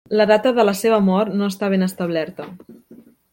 La data de la seva mort no està ben establerta.